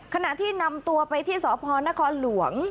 ขณะที่นำตัวไปที่สพนครหลวง